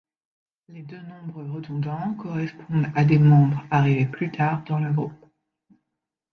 Les deux nombres redondants correspondent à des membres arrivés plus tard dans le groupe.